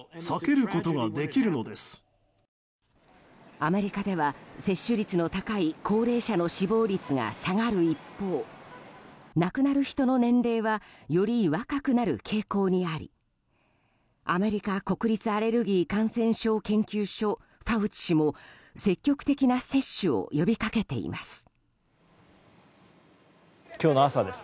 アメリカでは接種率の高い高齢者の死亡率が下がる一方亡くなる人の年齢はより若くなる傾向にありアメリカ国立アレルギー・感染症研究所ファウチ氏も、積極的な接種を呼び掛けています。